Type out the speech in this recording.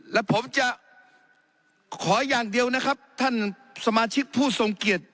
และผมจะขออย่างเดียวนะครับท่านสมาชิกผู้ทรงเกียจ